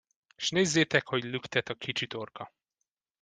És nézzétek, hogy lüktet a kicsi torka!